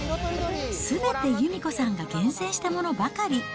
すべて由美子さんが厳選したものばかり。